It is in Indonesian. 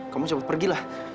kamu cepat pergilah